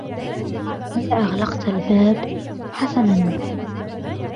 " هلّا أغلقت الباب ؟"" حسنًا ".